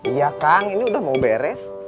iya kang ini udah mau beres